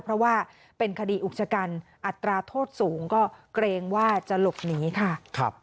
เพราะว่าเป็นคดีอุกชกันอัตราโทษสูงก็เกรงว่าจะหลบหนีค่ะ